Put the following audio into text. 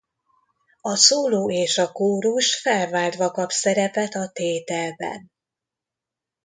A szóló és a kórus felváltva kap szerepet a tételben.